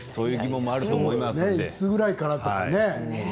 いつぐらいからとかね。